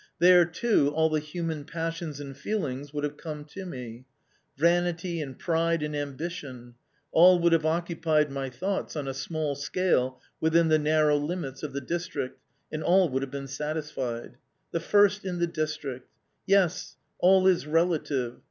There, too, all the human passions and feelings would have come to me ; vanity and pride and ambition — all would have occupied my thoughts on a small scale within the narrow limits of the district, and all would have been satisfied. The first in the district. Yes, all is relative.